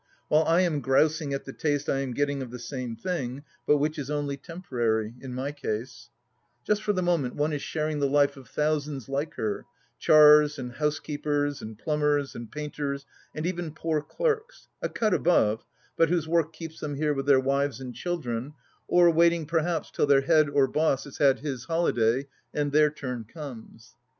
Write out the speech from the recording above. While I am grousing at the taste I am getting of the same thing, but which is only temporary, in my case 1 Just for the moment one is sharing the life of thousands like her, chars and housekeepers and plumbers and painters and even poor clerks, a cut above, but whose work keeps them here with their wives and children, or waiting perhaps till their head or boss has had his holiday and their turn comes.